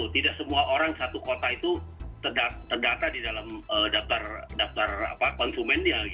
tidak semua orang di satu kota terdata di dalam daftar konsumen